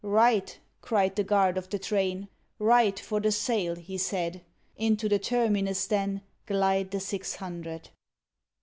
Right ! cried the guard of the train ; Right ! for the Sale, he said. Into the Terminus then Glide the six hundred.